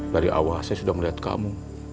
dari awal saya sudah melihat kamu